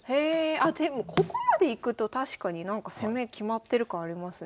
あっでもここまでいくと確かに攻め決まってる感ありますね。